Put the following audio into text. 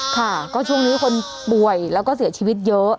ค่ะก็ช่วงนี้คนป่วยแล้วก็เสียชีวิตเยอะ